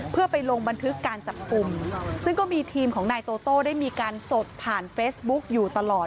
เพื่อไปลงบันทึกการจับกลุ่มซึ่งก็มีทีมของนายโตโต้ได้มีการสดผ่านเฟซบุ๊กอยู่ตลอด